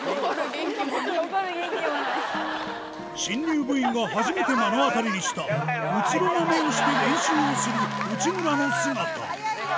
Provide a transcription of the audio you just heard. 新入部員が初めて目の当たりにした、うつろな目をして練習をする内村の姿。